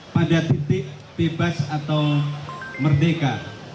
pada titik bebas atau merdeka